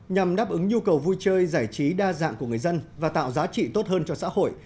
nhằm đáp ứng nhu cầu vui chơi giải trí đa dạng của người dân và tạo giá trị tốt hơn cho xã hội